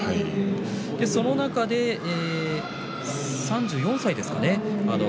その中で３４歳ですかね